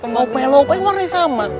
mau pelo pe warnanya sama